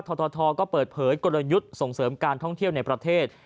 ททก็เปิดเผยกลยุทธ์ส่งเสริมการท่องเที่ยวในประเทศ